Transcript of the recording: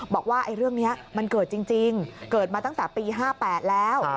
บอกว่าเรื่องนี้มันเกิดจริงเกิดมาตั้งแต่ปี๕๘แล้ว